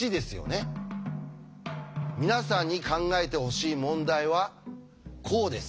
皆さんに考えてほしい問題はこうです。